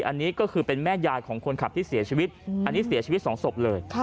อันนี้ก็คือเป็นแม่ยายของคนขับที่เสียชีวิตอันนี้เสียชีวิตสองศพเลย